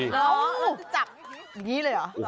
เราต้องจับพี่พีช